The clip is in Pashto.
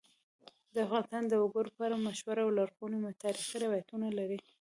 افغانستان د وګړي په اړه مشهور او لرغوني تاریخی روایتونه لري.